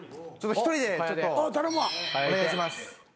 １人でちょっとお願いします。